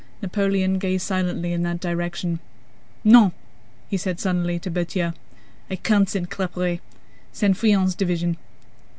Napoleon gazed silently in that direction. "No!" he suddenly said to Berthier. "I can't send Claparède. Send Friant's division."